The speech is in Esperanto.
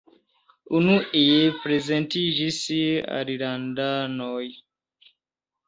Unue prezentiĝis alilandanoj.